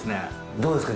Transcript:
どうですか？